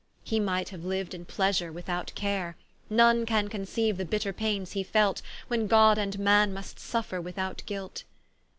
He might haue liu'd in pleasure without care: None can conceiue the bitter paines he felt, When God and man must suffer without guilt.